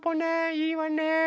いいわね。